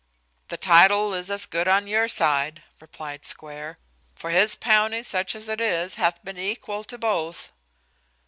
"The title is as good on your side," replied Square, "for his bounty, such as it is, hath been equal to both."